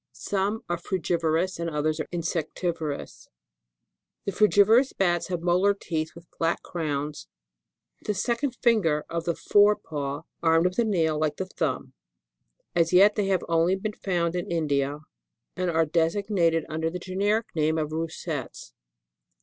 Some are frugivorous, and others insectivorous. 13. The FRDGIVOROUS BATS, have molar teeth with flat crowns, (Plate 2, fiy. 6.) and the second finger of the fore paw armed with a nail, like the thumb ; as yet they have been only found in India, and are designated under the generic name of Roussettes.